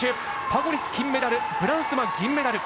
パゴニス、金メダルブランスマ、銀メダル。